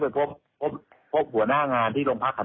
เพราะว่าตอนแรกมีการพูดถึงนิติกรคือฝ่ายกฎหมาย